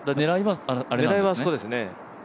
狙いはあそこですね。